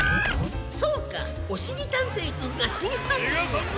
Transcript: そうかおしりたんていくんがしんはんにんを。